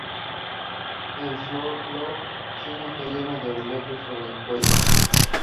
Around this time he also began presenting programmes for the Christian Broadcasting Association.